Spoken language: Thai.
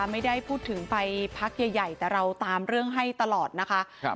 ไม่ได้พูดถึงไปพักใหญ่แต่เราตามเรื่องให้ตลอดนะคะ